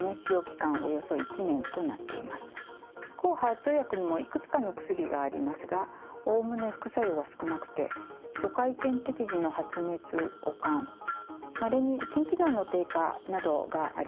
抗ＨＥＲ２薬にもいくつかの薬がありますがおおむね副作用は少なくて初回点滴時の発熱悪寒まれに心機能の低下などがあります。